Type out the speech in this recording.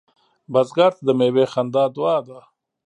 بزګر ته د میوې خندا دعا ده